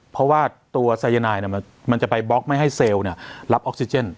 เพราะว่าตัวไซยานายเนี่ยมันจะไปบล็อกไม่ให้เซลล์เนี่ยรับออกซิเจน